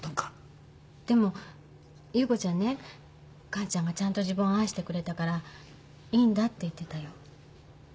でも優子ちゃんね完ちゃんがちゃんと自分を愛してくれたからいいんだって言ってたよ。